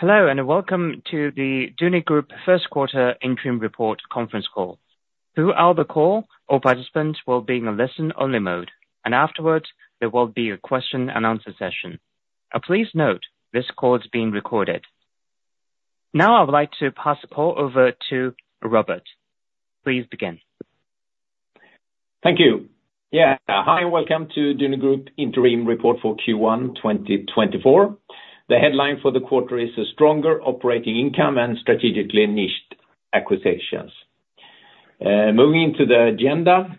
Hello and welcome to the Duni Group first quarter interim report conference call. Throughout the call, all participants will be in a listen-only mode, and afterwards there will be a question-and-answer session. Please note this call is being recorded. Now I would like to pass the call over to Robert. Please begin. Thank you. Yeah. Hi and welcome to Duni Group interim report for Q1 2024. The headline for the quarter is "Stronger Operating Income and Strategically Niched Acquisitions." Moving into the agenda,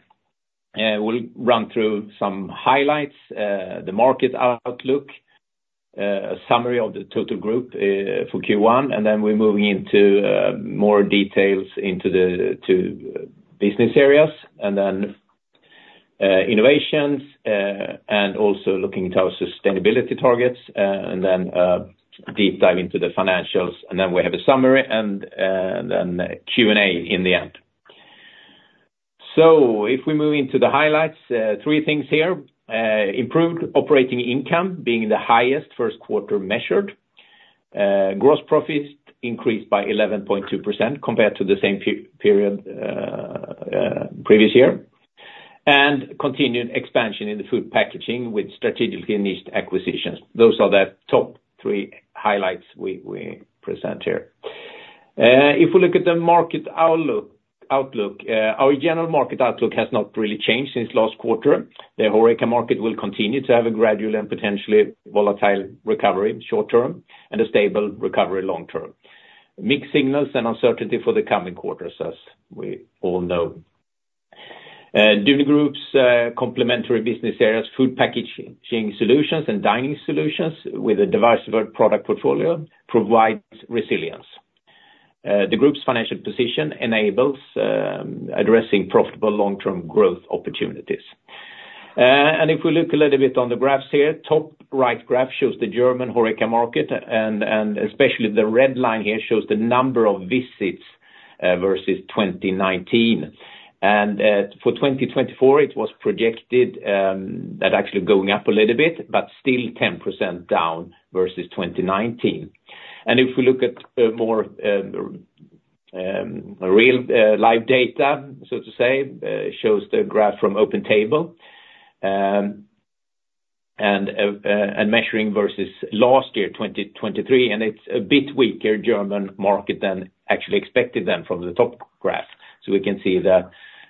we'll run through some highlights, the market outlook, a summary of the total group for Q1, and then we're moving into more details into the two business areas, and then innovations, and also looking at our sustainability targets, and then deep dive into the financials. And then we have a summary and then Q&A in the end. So if we move into the highlights, three things here: improved operating income being the highest first quarter measured, gross profits increased by 11.2% compared to the same period previous year, and continued expansion in the food packaging with strategically niched acquisitions. Those are the top three highlights we present here. If we look at the market outlook, our general market outlook has not really changed since last quarter. The HoReCa market will continue to have a gradual and potentially volatile recovery short term and a stable recovery long term. Mixed signals and uncertainty for the coming quarters, as we all know. Duni Group's complementary business areas, food packaging solutions and dining solutions with a diversified product portfolio, provide resilience. The group's financial position enables addressing profitable long-term growth opportunities. And if we look a little bit on the graphs here, top right graph shows the German HoReCa market, and especially the red line here shows the number of visits versus 2019. And for 2024, it was projected that actually going up a little bit but still 10% down versus 2019. If we look at more real live data, so to say, shows the graph from OpenTable and measuring versus last year, 2023, and it's a bit weaker German market than actually expected then from the top graph. So we can see the,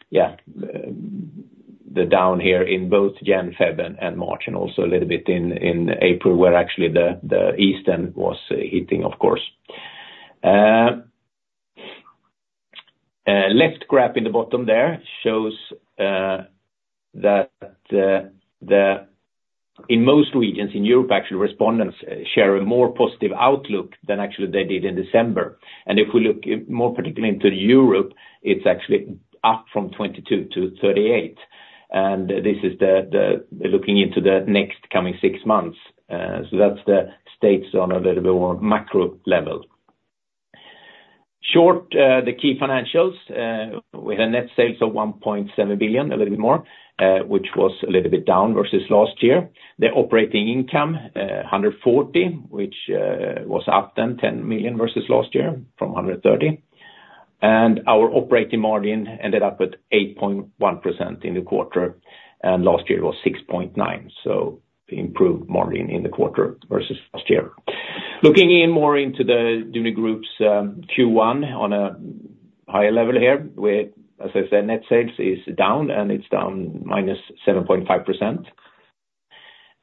yeah, the down here in both January, February, and March, and also a little bit in April where actually the Easter was hitting, of course. Left graph in the bottom there shows that in most regions in Europe, actually, respondents share a more positive outlook than actually they did in December. And if we look more particularly into Europe, it's actually up from 22 to 38. And this is looking into the next coming six months. So that's the stats on a little bit more macro level. In short, the key financials. We had net sales of 1.7 billion, a little bit more, which was a little bit down versus last year. The operating income, 140 million, which was up then 10 million versus last year from 130 million. Our operating margin ended up at 8.1% in the quarter, and last year was 6.9%. Improved margin in the quarter versus last year. Looking in more into the Duni Group's Q1 on a higher level here, as I said, net sales is down, and it's down -7.5%.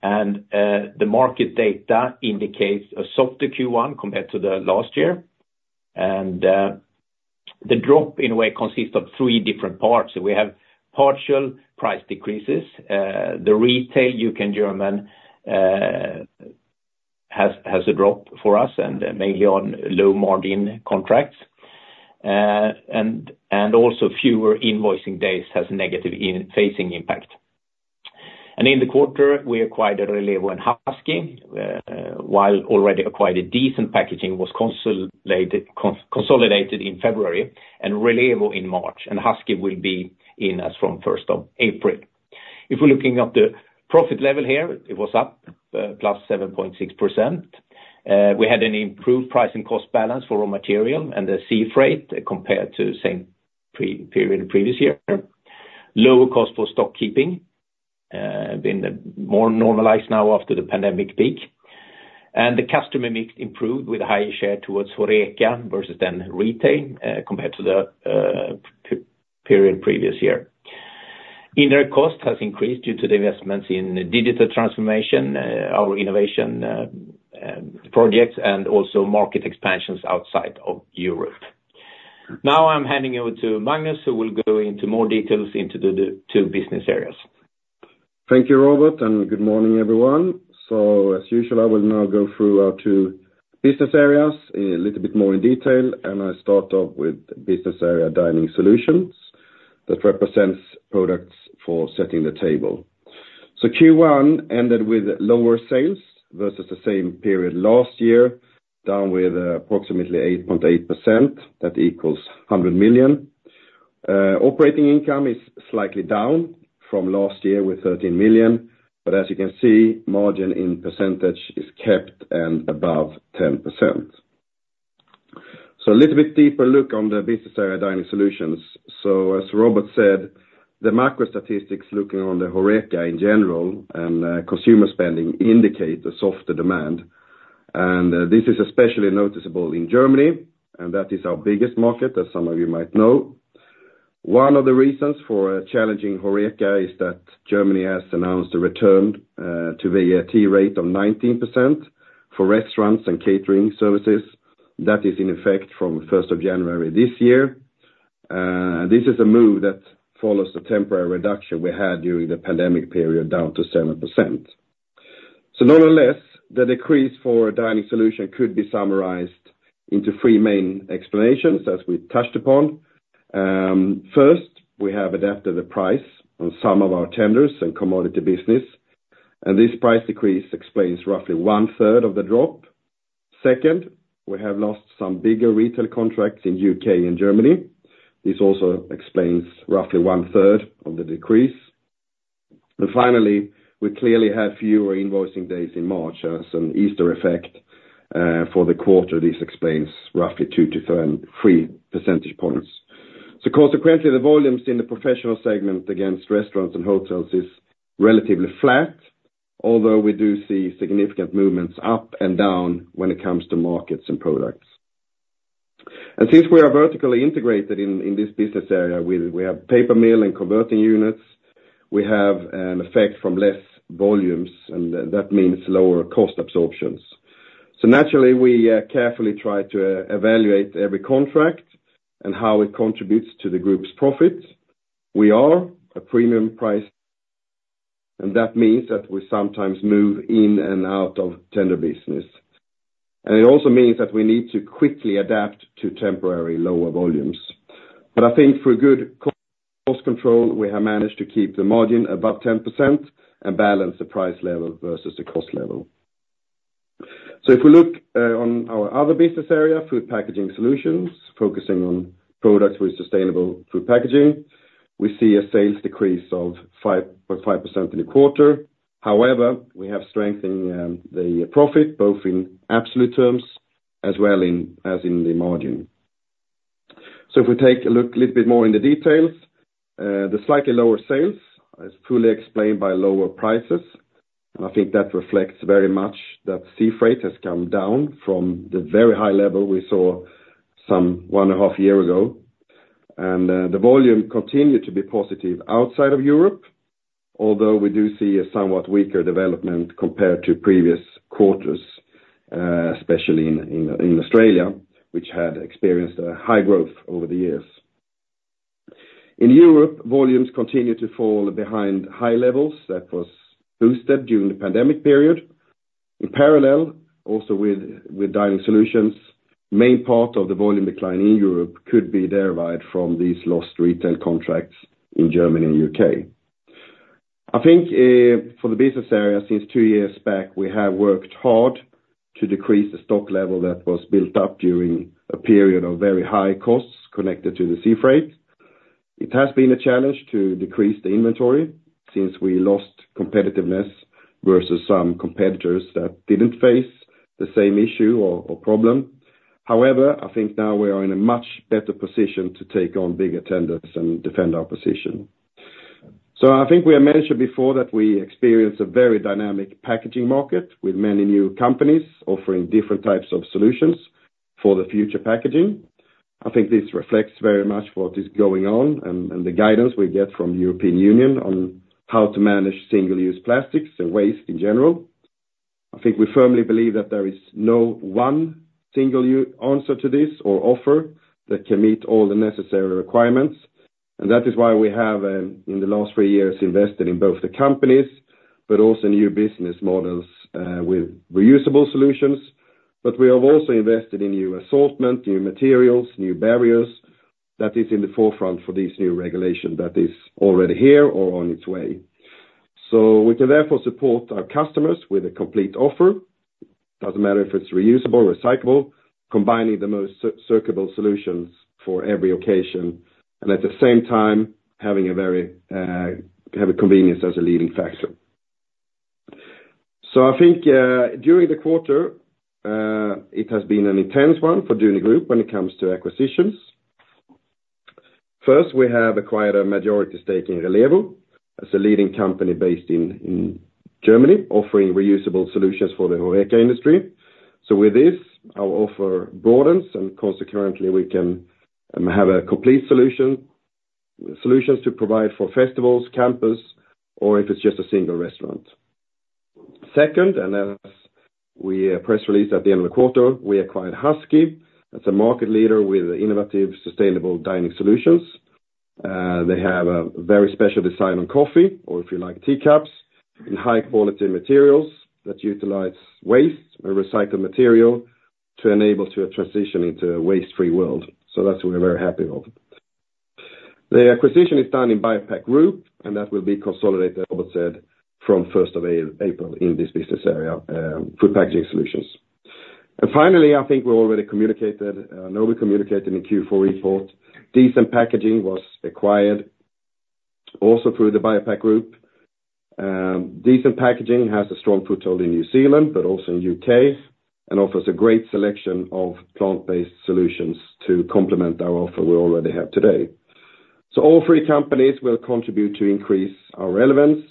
The market data indicates a softer Q1 compared to the last year. The drop, in a way, consists of three different parts. We have partial price decreases. The retail U.K. and Germany has a drop for us and mainly on low-margin contracts. Also fewer invoicing days has a negative phasing impact. In the quarter, we acquired Relevo and Huskee while already acquired Decent Packaging was consolidated in February and Relevo in March. Huskee will be in us from April 1st. If we're looking at the profit level here, it was up +7.6%. We had an improved price and cost balance for raw material and the sea freight compared to same period previous year. Lower cost for stockkeeping been more normalized now after the pandemic peak. The customer mix improved with a higher share towards HoReCa versus then retail compared to the period previous year. Indirect cost has increased due to the investments in digital transformation, our innovation projects, and also market expansions outside of Europe. Now I'm handing over to Magnus, who will go into more details into the two business areas. Thank you, Robert, and good morning, everyone. So as usual, I will now go through our two business areas a little bit more in detail, and I start off with business area dining solutions that represents products for setting the table. So Q1 ended with lower sales versus the same period last year, down with approximately 8.8%. That equals 100 million. Operating income is slightly down from last year with 13 million, but as you can see, margin in percentage is kept and above 10%. So a little bit deeper look on the business area dining solutions. So as Robert said, the macro statistics looking on the HoReCa in general and consumer spending indicate a softer demand. And this is especially noticeable in Germany, and that is our biggest market, as some of you might know. One of the reasons for challenging HoReCa is that Germany has announced a return to VAT rate of 19% for restaurants and catering services. That is in effect from January 1st, this year. This is a move that follows the temporary reduction we had during the pandemic period down to 7%. Nonetheless, the decrease for Duni's dining solutions could be summarized into three main explanations, as we touched upon. First, we have adapted the price on some of our tenders and commodity business, and this price decrease explains roughly one-third of the drop. Second, we have lost some bigger retail contracts in U.K. and Germany. This also explains roughly one-third of the decrease. And finally, we clearly had fewer invoicing days in March as an Easter effect for the quarter. This explains roughly 2-3 percentage points. So consequently, the volumes in the professional segment against restaurants and hotels is relatively flat, although we do see significant movements up and down when it comes to markets and products. And since we are vertically integrated in this business area, we have paper mill and converting units. We have an effect from less volumes, and that means lower cost absorptions. So naturally, we carefully try to evaluate every contract and how it contributes to the group's profit. We are a premium price, and that means that we sometimes move in and out of tender business. And it also means that we need to quickly adapt to temporary lower volumes. But I think through good cost control, we have managed to keep the margin above 10% and balance the price level versus the cost level. So if we look on our other business area, food packaging solutions, focusing on products with sustainable food packaging, we see a sales decrease of 5.5% in the quarter. However, we have strengthened the profit both in absolute terms as well as in the margin. So if we take a look a little bit more in the details, the slightly lower sales is fully explained by lower prices, and I think that reflects very much that sea freight has come down from the very high level we saw some 1.5 years ago. And the volume continued to be positive outside of Europe, although we do see a somewhat weaker development compared to previous quarters, especially in Australia, which had experienced a high growth over the years. In Europe, volumes continue to fall behind high levels that was boosted during the pandemic period. In parallel, also with dining solutions, a main part of the volume decline in Europe could be derived from these lost retail contracts in Germany and U.K. I think for the business area, since two years back, we have worked hard to decrease the stock level that was built up during a period of very high costs connected to the sea freight. It has been a challenge to decrease the inventory since we lost competitiveness versus some competitors that didn't face the same issue or problem. However, I think now we are in a much better position to take on bigger tenders and defend our position. So I think we have mentioned before that we experience a very dynamic packaging market with many new companies offering different types of solutions for the future packaging. I think this reflects very much what is going on and the guidance we get from the European Union on how to manage single-use plastics and waste in general. I think we firmly believe that there is no one single answer to this or offer that can meet all the necessary requirements. And that is why we have, in the last three years, invested in both the companies but also new business models with reusable solutions. But we have also invested in new assortment, new materials, new barriers. That is in the forefront for these new regulations that is already here or on its way. So we can therefore support our customers with a complete offer. It doesn't matter if it's reusable or recyclable, combining the most circular solutions for every occasion and at the same time having very convenient as a leading factor. So I think during the quarter, it has been an intense one for Duni Group when it comes to acquisitions. First, we have acquired a majority stake in Relevo as a leading company based in Germany offering reusable solutions for the HoReCa industry. So with this, our offer broadens, and consequently, we can have complete solutions to provide for festivals, campus, or if it's just a single restaurant. Second, and as we press release at the end of the quarter, we acquired Huskee as a market leader with innovative sustainable dining solutions. They have a very special design on coffee, or if you like, teacups, in high-quality materials that utilize waste, a recycled material, to enable a transition into a waste-free world. So that's what we're very happy about. The acquisition is done in BioPak Group, and that will be consolidated, Robert said, from April 1st, in this business area, food packaging solutions. Finally, I think we already communicated. I know we communicated in the Q4 report. Decent Packaging was acquired also through the BioPak Group. Decent Packaging has a strong foothold in New Zealand but also in the U.K. and offers a great selection of plant-based solutions to complement our offer we already have today. So all three companies will contribute to increase our relevance.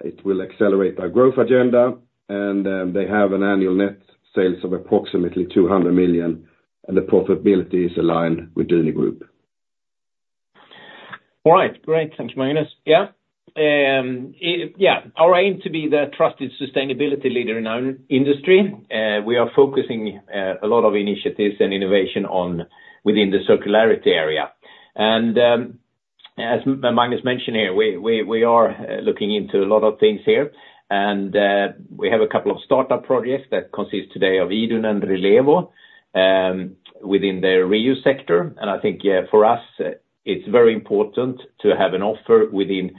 It will accelerate our growth agenda, and they have an annual net sales of approximately 200 million, and the profitability is aligned with Duni Group. All right. Great. Thank you, Magnus. Yeah. Yeah. Our aim to be the trusted sustainability leader in our industry. We are focusing a lot of initiatives and innovation within the circularity area. As Magnus mentioned here, we are looking into a lot of things here. We have a couple of startup projects that consist today of Idun and Relevo within their reuse sector. I think for us, it's very important to have an offer within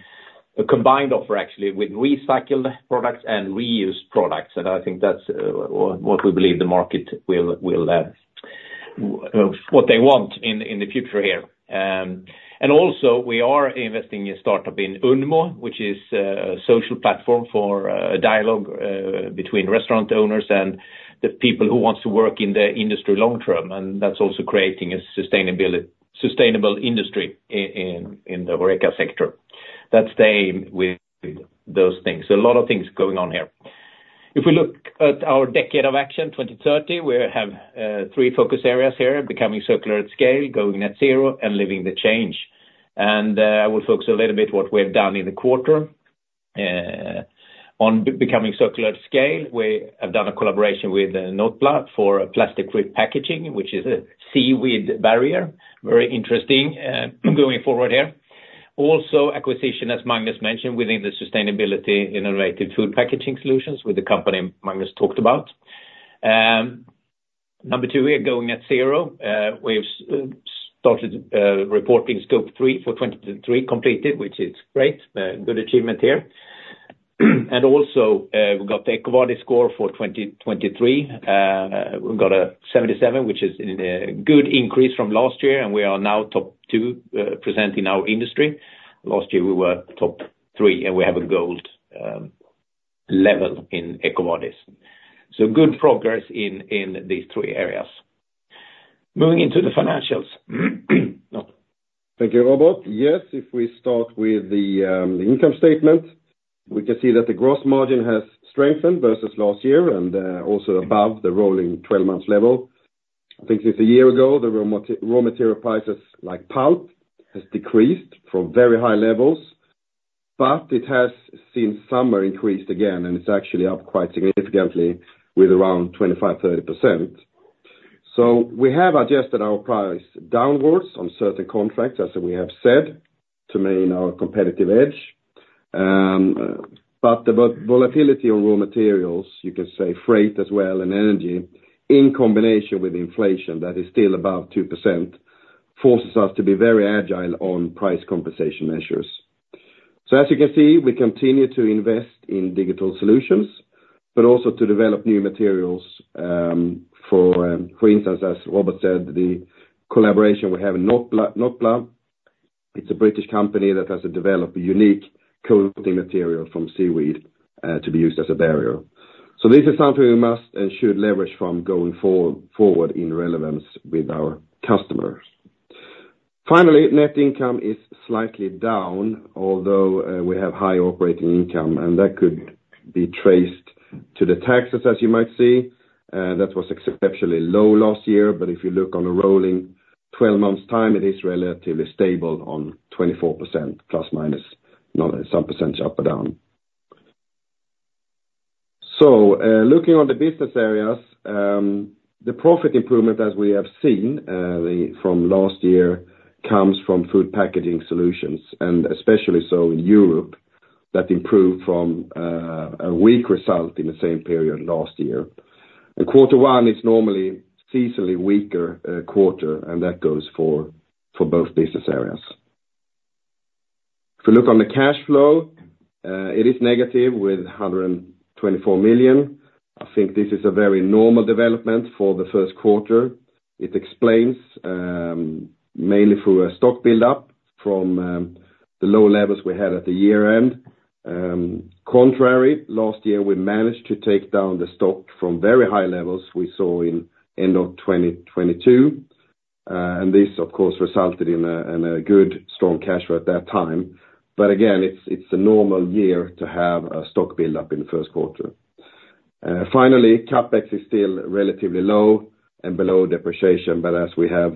a combined offer, actually, with recycled products and reused products. I think that's what we believe the market will what they want in the future here. Also, we are investing in a startup in Unmo, which is a social platform for dialogue between restaurant owners and the people who want to work in the industry long term. That's also creating a sustainable industry in the HoReCa sector. That's the aim with those things. So a lot of things going on here. If we look at our decade of action, 2030, we have three focus areas here: becoming circular at scale, going net zero, and living the change. I will focus a little bit on what we have done in the quarter. On becoming circular at scale, we have done a collaboration with Notpla for plastic-free packaging, which is a seaweed barrier. Very interesting going forward here. Also, acquisition, as Magnus mentioned, within the sustainability innovative food packaging solutions with the company Magnus talked about. Number two, we are going net zero. We've started reporting Scope 3 for 2023 completed, which is great. Good achievement here. Also, we got the EcoVadis score for 2023. We got a 77, which is a good increase from last year, and we are now top 2% in our industry. Last year, we were top three, and we have a gold level in EcoVadis. Good progress in these three areas. Moving into the financials. Thank you, Robert. Yes, if we start with the income statement, we can see that the gross margin has strengthened versus last year and also above the rolling 12-month level. I think since a year ago, the raw material prices like pulp have decreased from very high levels, but it has since summer increased again, and it's actually up quite significantly with around 25%-30%. So we have adjusted our price downwards on certain contracts, as we have said, to maintain our competitive edge. But the volatility on raw materials, you can say freight as well and energy, in combination with inflation that is still above 2%, forces us to be very agile on price compensation measures. So as you can see, we continue to invest in digital solutions but also to develop new materials. For instance, as Robert said, the collaboration we have in Notpla, it's a British company that has developed a unique coating material from seaweed to be used as a barrier. So this is something we must and should leverage from going forward in relevance with our customers. Finally, net income is slightly down, although we have high operating income, and that could be traced to the taxes, as you might see. That was exceptionally low last year, but if you look on a rolling 12-months' time, it is relatively stable on 24%±, some percentage up or down. So looking on the business areas, the profit improvement that we have seen from last year comes from food packaging solutions, and especially so in Europe, that improved from a weak result in the same period last year. Quarter one, it's normally seasonally weaker quarter, and that goes for both business areas. If we look on the cash flow, it is negative with 124 million. I think this is a very normal development for the first quarter. It explains mainly through a stock buildup from the low levels we had at the year-end. Contrary, last year, we managed to take down the stock from very high levels we saw in end of 2022, and this, of course, resulted in a good, strong cash flow at that time. But again, it's a normal year to have a stock buildup in the first quarter. Finally, CapEx is still relatively low and below depreciation, but as we have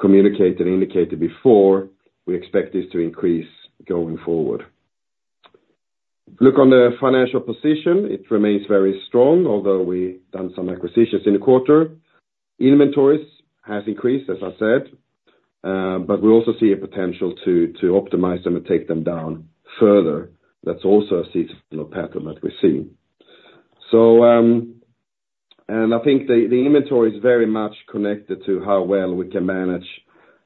communicated and indicated before, we expect this to increase going forward. If we look on the financial position, it remains very strong, although we've done some acquisitions in the quarter. Inventories have increased, as I said, but we also see a potential to optimize them and take them down further. That's also a seasonal pattern that we see. And I think the inventory is very much connected to how well we can manage,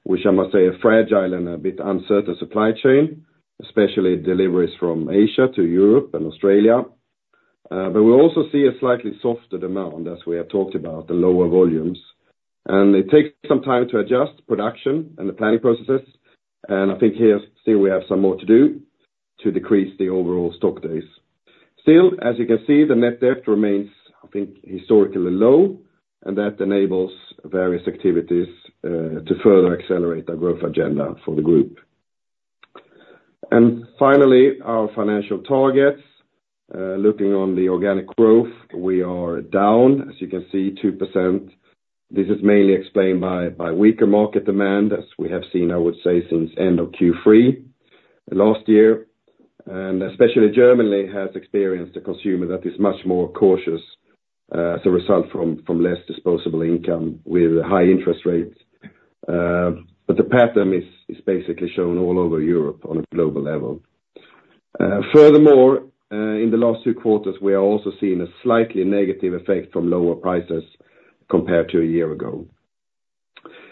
which I must say, a fragile and a bit uncertain supply chain, especially deliveries from Asia to Europe and Australia. But we also see a slightly softer demand, as we have talked about, the lower volumes. And it takes some time to adjust production and the planning processes. And I think here still we have some more to do to decrease the overall stock days. Still, as you can see, the net debt remains, I think, historically low, and that enables various activities to further accelerate our growth agenda for the group. Finally, our financial targets, looking on the organic growth, we are down, as you can see, 2%. This is mainly explained by weaker market demand, as we have seen, I would say, since end of Q3 last year. And especially Germany has experienced a consumer that is much more cautious as a result from less disposable income with high interest rates. But the pattern is basically shown all over Europe on a global level. Furthermore, in the last two quarters, we are also seeing a slightly negative effect from lower prices compared to a year ago.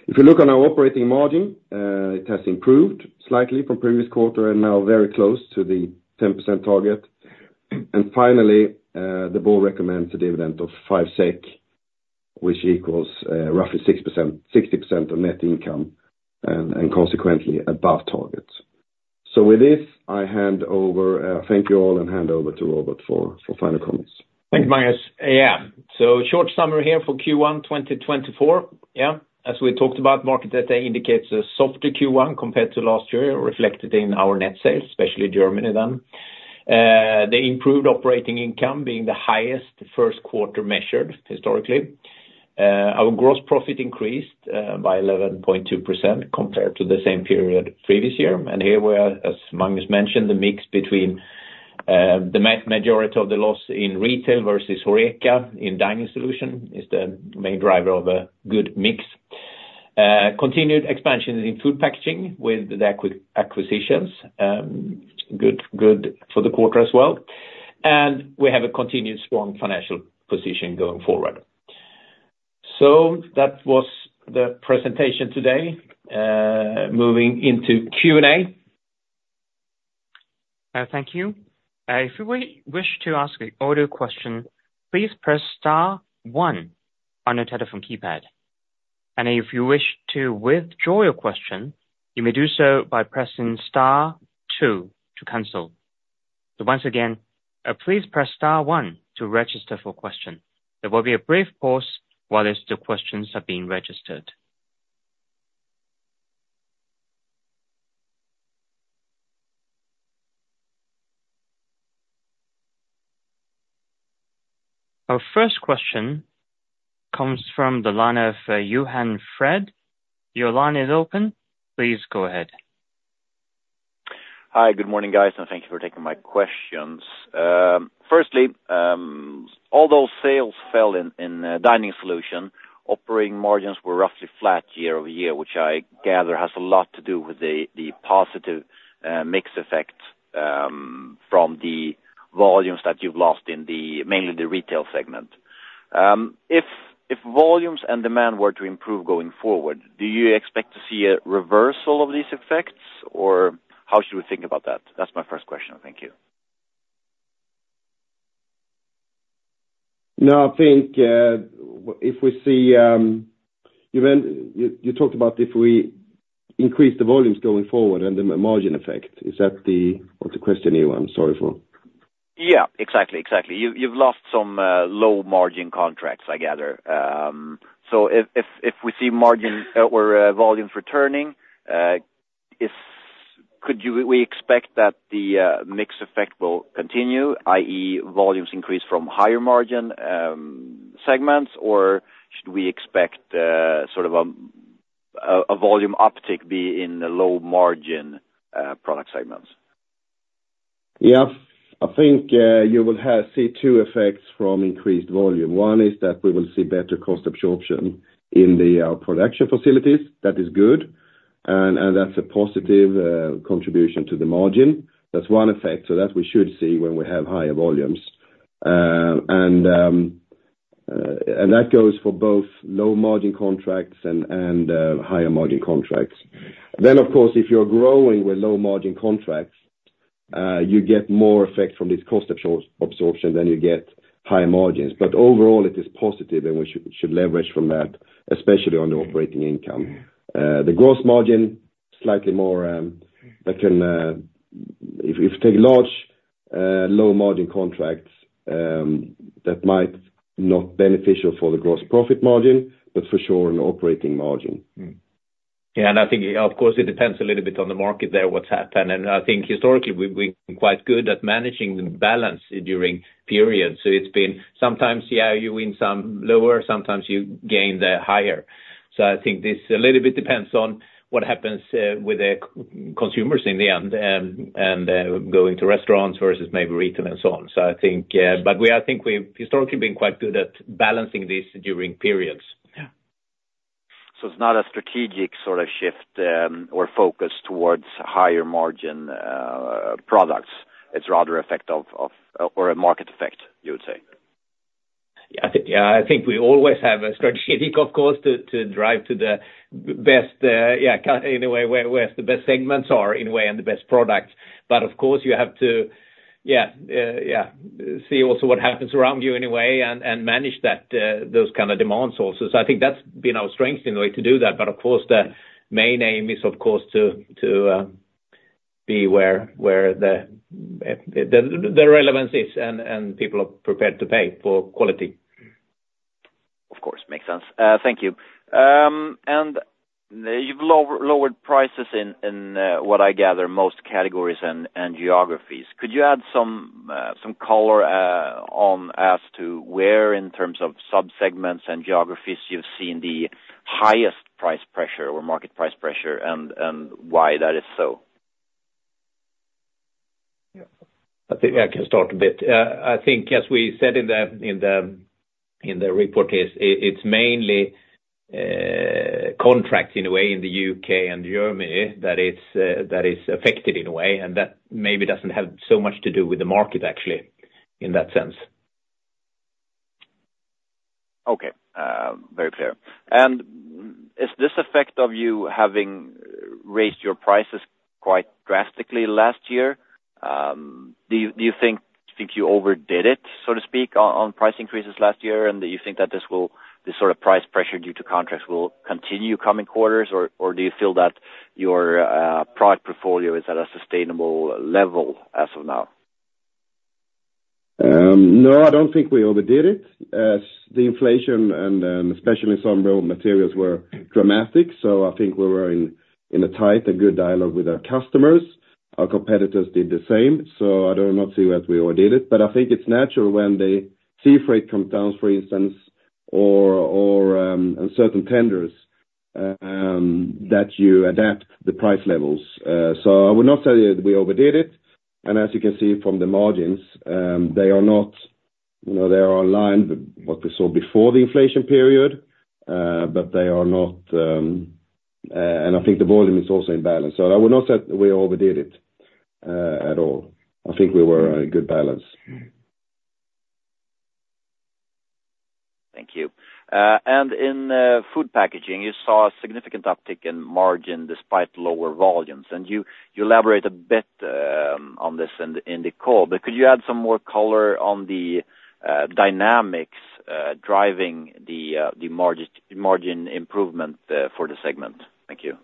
If we look on our operating margin, it has improved slightly from previous quarter and now very close to the 10% target. Finally, the board recommends a dividend of 5 SEK, which equals roughly 60% of net income and consequently above targets. So, with this, I hand over. Thank you all and hand over to Robert for final comments. Thank you, Magnus. Yeah. So short summary here for Q1 2024. Yeah. As we talked about, market data indicates a softer Q1 compared to last year reflected in our net sales, especially Germany then. The improved operating income being the highest first quarter measured historically. Our gross profit increased by 11.2% compared to the same period previous year. And here we are, as Magnus mentioned, the mix between the majority of the loss in retail versus HoReCa in dining solution is the main driver of a good mix. Continued expansion in food packaging with the acquisitions, good for the quarter as well. And we have a continued strong financial position going forward. So that was the presentation today. Moving into Q&A. Thank you. If you wish to ask an audio question, please press star one on your telephone keypad. If you wish to withdraw your question, you may do so by pressing star two to cancel. Once again, please press star one to register for a question. There will be a brief pause while the questions are being registered. Our first question comes from the line of Johan Fred. Your line is open. Please go ahead. Hi. Good morning, guys, and thank you for taking my questions. Firstly, although sales fell in dining solution, operating margins were roughly flat year-over-year, which I gather has a lot to do with the positive mix effect from the volumes that you've lost in mainly the retail segment. If volumes and demand were to improve going forward, do you expect to see a reversal of these effects, or how should we think about that? That's my first question. Thank you. No, I think if we see you talked about if we increase the volumes going forward and the margin effect. Is that what the question you were? I'm sorry for? Yeah. Exactly. Exactly. You've lost some low-margin contracts, I gather. So if we see margin or volumes returning, could we expect that the mix effect will continue, i.e., volumes increase from higher-margin segments, or should we expect sort of a volume uptick be in the low-margin product segments? Yeah. I think you will see two effects from increased volume. One is that we will see better cost absorption in our production facilities. That is good, and that's a positive contribution to the margin. That's one effect, so that we should see when we have higher volumes. And that goes for both low-margin contracts and higher-margin contracts. Then, of course, if you're growing with low-margin contracts, you get more effect from this cost absorption than you get high margins. But overall, it is positive, and we should leverage from that, especially on the operating income. The gross margin, slightly more if you take large low-margin contracts, that might not beneficial for the gross profit margin but for sure an operating margin. Yeah. I think, of course, it depends a little bit on the market there, what's happened. I think historically, we've been quite good at managing the balance during periods. It's been sometimes you win some lower, sometimes you gain the higher. I think this a little bit depends on what happens with the consumers in the end and going to restaurants versus maybe retail and so on. But I think we've historically been quite good at balancing this during periods. Yeah. So it's not a strategic sort of shift or focus towards higher-margin products. It's rather a effect of or a market effect, you would say? Yeah. I think we always have a strategic, of course, to drive to the best, in a way, where the best segments are in a way and the best products. But of course, you have to see also what happens around you in a way and manage those kind of demands also. So I think that's been our strength in a way to do that. But of course, the main aim is, of course, to be where the relevance is and people are prepared to pay for quality. Of course. Makes sense. Thank you. You've lowered prices in, what I gather, most categories and geographies. Could you add some color on as to where in terms of subsegments and geographies you've seen the highest price pressure or market price pressure and why that is so? Yeah. I think I can start a bit. I think, as we said in the report, it's mainly contracts in a way in the U.K. and Germany that is affected in a way, and that maybe doesn't have so much to do with the market, actually, in that sense. Okay. Very clear. Is this effect of you having raised your prices quite drastically last year? Do you think you overdid it, so to speak, on price increases last year, and do you think that this sort of price pressure due to contracts will continue coming quarters, or do you feel that your product portfolio is at a sustainable level as of now? No, I don't think we overdid it. The inflation, and especially some raw materials, were dramatic. So I think we were in a tight and good dialogue with our customers. Our competitors did the same. So I do not see that we overdid it. But I think it's natural when the sea freight comes down, for instance, or certain tenders, that you adapt the price levels. So I would not say that we overdid it. And as you can see from the margins, they are aligned with what we saw before the inflation period, but they are not and I think the volume is also in balance. So I would not say that we overdid it at all. I think we were in good balance. Thank you. In food packaging, you saw a significant uptick in margin despite lower volumes. You elaborate a bit on this in the call, but could you add some more color on the dynamics driving the margin improvement for the segment? Thank you.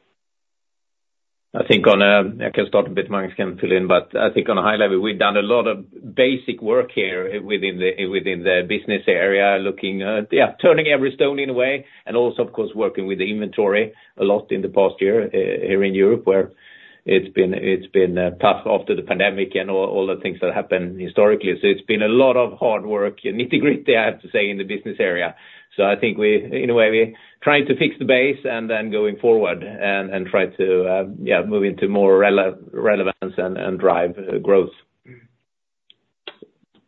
I think I can start a bit. Magnus can fill in. But I think on a high level, we've done a lot of basic work here within the business area, yeah, turning every stone in a way and also, of course, working with the inventory a lot in the past year here in Europe, where it's been tough after the pandemic and all the things that happened historically. So it's been a lot of hard work, nitty-gritty, I have to say, in the business area. So I think, in a way, we're trying to fix the base and then going forward and try to, yeah, move into more relevance and drive growth.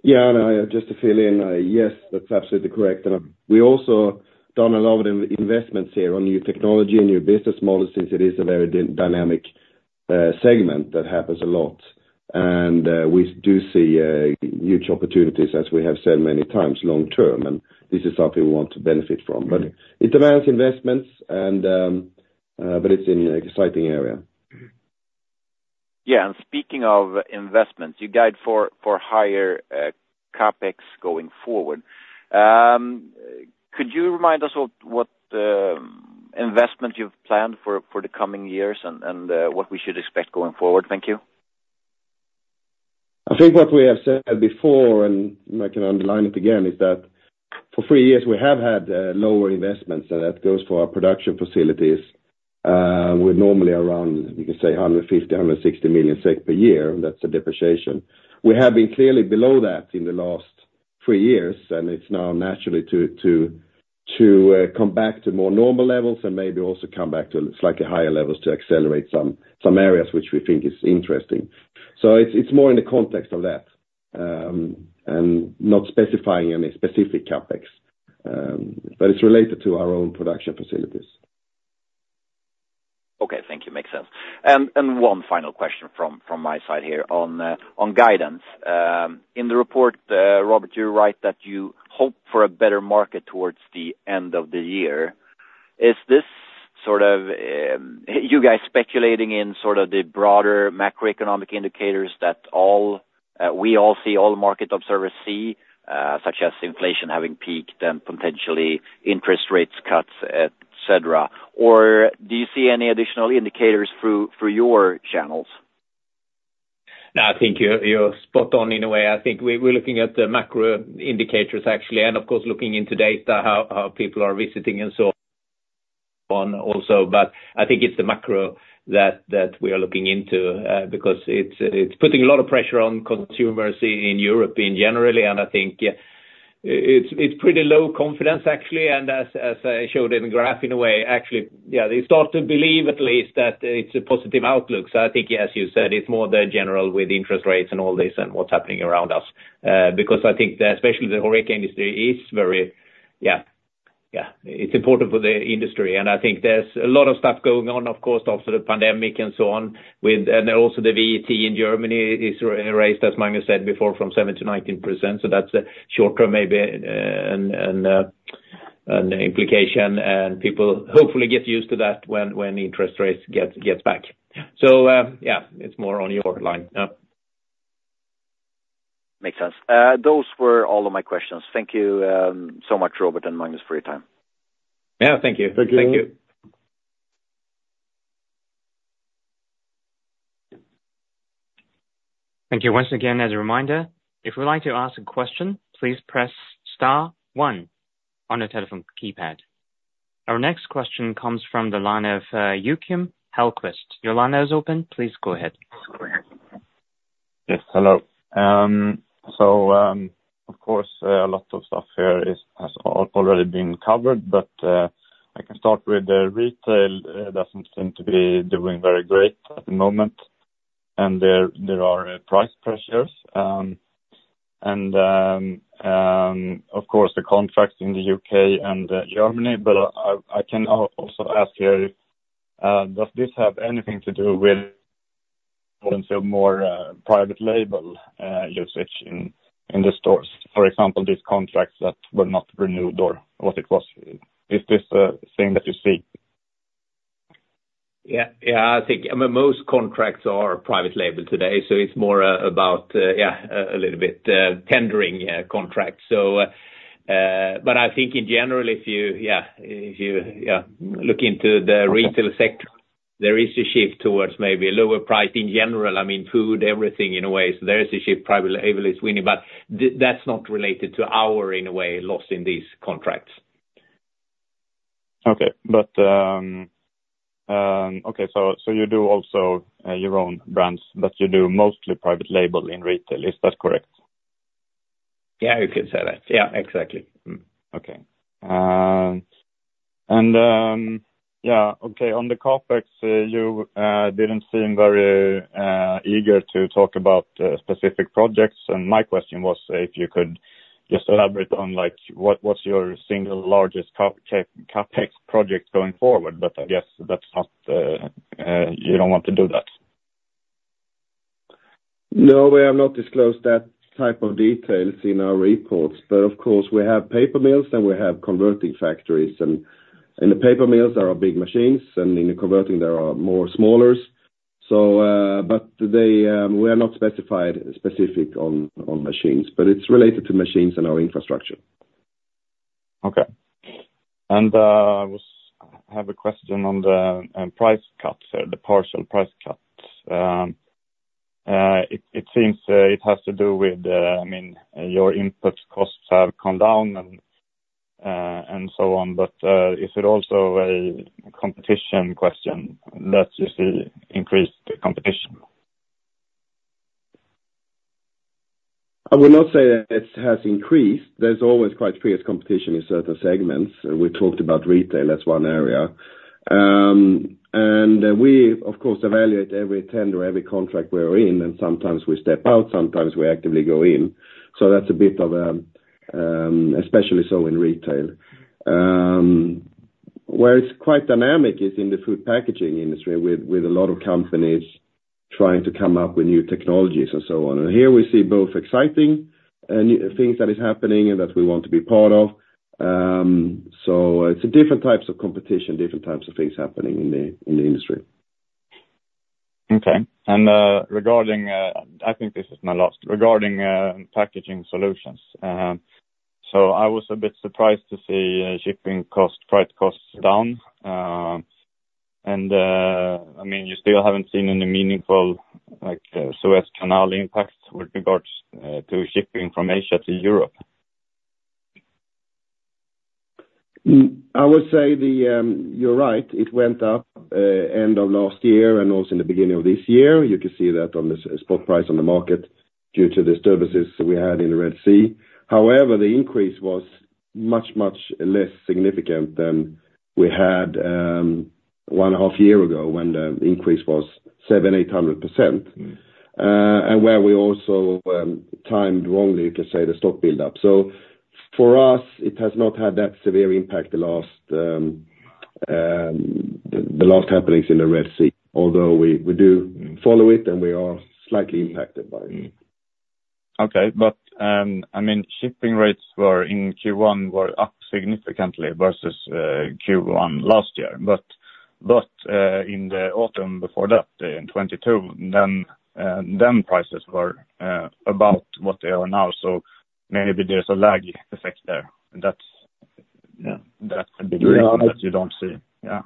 Yeah. Just to fill in, yes, that's absolutely correct. We've also done a lot of investments here on new technology and new business models since it is a very dynamic segment that happens a lot. We do see huge opportunities, as we have said many times, long term, and this is something we want to benefit from. It demands investments, but it's an exciting area. Yeah. And speaking of investments, you guide for higher CapEx going forward. Could you remind us what investments you've planned for the coming years and what we should expect going forward? Thank you. I think what we have said before, and I can underline it again, is that for three years, we have had lower investments, and that goes for our production facilities. We're normally around, you can say, 150 million-160 million SEK per year. That's a depreciation. We have been clearly below that in the last three years, and it's now naturally to come back to more normal levels and maybe also come back to slightly higher levels to accelerate some areas which we think is interesting. So it's more in the context of that and not specifying any specific CapEx, but it's related to our own production facilities. Okay. Thank you. Makes sense. And one final question from my side here on guidance. In the report, Robert, you write that you hope for a better market towards the end of the year. Is this sort of you guys speculating in sort of the broader macroeconomic indicators that we all see, all market observers see, such as inflation having peaked and potentially interest rate cuts, etc.? Or do you see any additional indicators through your channels? No, I think you're spot on in a way. I think we're looking at the macro indicators, actually, and of course, looking into data, how people are visiting and so on also. But I think it's the macro that we are looking into because it's putting a lot of pressure on consumers in Europe generally. And I think it's pretty low confidence, actually. And as I showed in the graph, in a way, actually, yeah, they start to believe, at least, that it's a positive outlook. So I think, as you said, it's more the general with interest rates and all this and what's happening around us because I think especially the HoReCa industry is very yeah, yeah, it's important for the industry. And I think there's a lot of stuff going on, of course, after the pandemic and so on. Also the VAT in Germany is raised, as Magnus said before, from 7%-19%. That's a short-term, maybe, an implication. People hopefully get used to that when interest rates gets back. Yeah, it's more on your line. Yeah. Makes sense. Those were all of my questions. Thank you so much, Robert and Magnus, for your time. Yeah. Thank you. Thank you. Thank you. Thank you once again as a reminder. If you would like to ask a question, please press star one on your telephone keypad. Our next question comes from the line of Joachim Hellquist. Your line is open. Please go ahead. Yes. Hello. So of course, a lot of stuff here has already been covered, but I can start with retail. It doesn't seem to be doing very great at the moment, and there are price pressures. And of course, the contracts in the U.K. and Germany. But I can also ask here, does this have anything to do with more private label usage in the stores? For example, these contracts that were not renewed or what it was. Is this a thing that you see? Yeah. I think most contracts are private label today, so it's more about a little bit tendering contracts. But I think in general, if you look into the retail sector, there is a shift towards maybe lower price in general. I mean, food, everything in a way. So there is a shift. Private label is winning. But that's not related to our, in a way, loss in these contracts. Okay. Okay. So you do also your own brands, but you do mostly private label in retail. Is that correct? Yeah. You can say that. Yeah. Exactly. On the CapEx, you didn't seem very eager to talk about specific projects. My question was if you could just elaborate on what's your single largest CapEx project going forward, but I guess that's not you don't want to do that. No, we have not disclosed that type of details in our reports. But of course, we have paper mills, and we have converting factories. In the paper mills, there are big machines, and in the converting, there are more smaller. But we are not specific on machines, but it's related to machines and our infrastructure. Okay. I have a question on the price cuts here, the partial price cuts. It seems it has to do with I mean, your input costs have gone down and so on, but is it also a competition question that you see increased competition? I would not say that it has increased. There's always quite fierce competition in certain segments. We talked about retail. That's one area. We, of course, evaluate every tender, every contract we're in, and sometimes we step out. Sometimes we actively go in. So that's a bit of a, especially so in retail. Where it's quite dynamic is in the food packaging industry with a lot of companies trying to come up with new technologies and so on. Here we see both exciting things that is happening and that we want to be part of. So it's different types of competition, different types of things happening in the industry. Okay. And I think this is my last regarding packaging solutions. So I was a bit surprised to see shipping costs, price costs down. And I mean, you still haven't seen any meaningful Suez Canal impact with regards to shipping from Asia to Europe? I would say you're right. It went up end of last year and also in the beginning of this year. You can see that on the spot price on the market due to disturbances we had in the Red Sea. However, the increase was much, much less significant than we had one and a half years ago when the increase was 700%-800% and where we also timed wrongly, you can say, the stock buildup. So for us, it has not had that severe impact the last happenings in the Red Sea, although we do follow it, and we are slightly impacted by it. Okay. But I mean, shipping rates in Q1 were up significantly versus Q1 last year. But in the autumn before that, in 2022, then prices were about what they are now. So maybe there's a lag effect there. That's the big reason that you don't see. Yeah.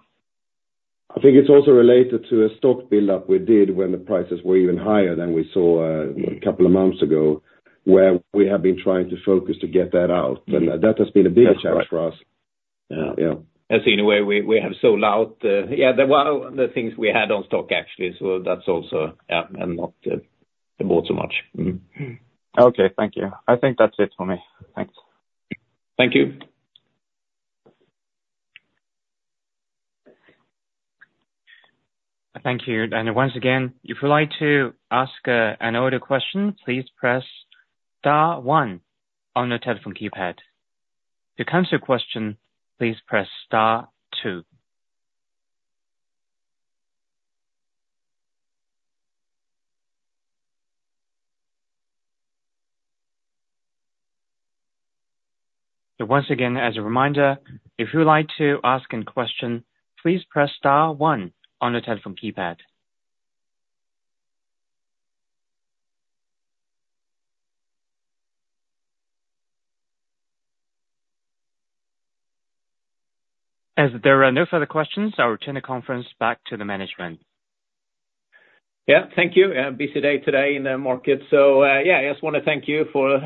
I think it's also related to a stock buildup we did when the prices were even higher than we saw a couple of months ago, where we have been trying to focus to get that out. That has been a bigger challenge for us. Yeah. As in a way, we have sold out. Yeah. There were other things we had on stock, actually, so that's also, yeah, and not bought so much. Okay. Thank you. I think that's it for me. Thanks. Thank you. Thank you. And once again, if you would like to ask another question, please press star one on your telephone keypad. To cancel a question, please press star two. So once again, as a reminder, if you would like to ask a question, please press star one on your telephone keypad. As there are no further questions, I will turn the conference back to the management. Yeah. Thank you. Busy day today in the market. So yeah, I just want to thank you for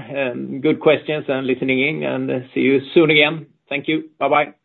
good questions and listening in, and see you soon again. Thank you. Bye-bye.